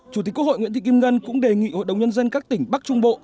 chủ tịch quốc hội nguyễn thị kim ngân cũng đề nghị hội đồng nhân dân các tỉnh bắc trung bộ